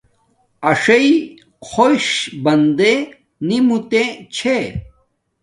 اݵسݵئ خݸش بندݺ نݵ مݸتݺ چھݺ.